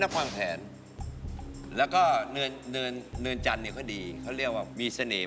แล้วก็เนินจันทร์เนี่ยก็ดีเขาเรียกว่ามีเสน่ห์